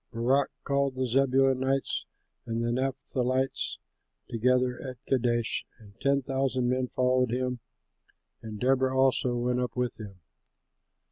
Barak called the Zebulunites and the Naphtalites together at Kadesh and ten thousand men followed him; and Deborah also went up with him.